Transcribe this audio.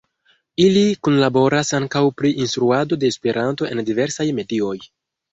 Ili kunlaboras ankaŭ pri instruado de Esperanto en diversaj medioj.